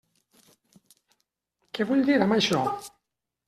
Què vull dir amb això?